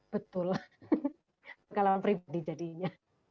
betul kalau pribadi jadinya